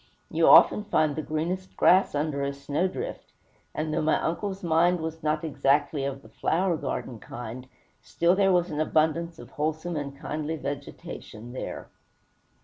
You often find the greenest grass under a snowdrift; and though my uncle's mind was not exactly of the flower garden kind, still there was an abundance of wholesome and kindly vegetation there.